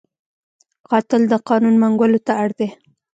قاتل د قانون منګولو ته اړ دی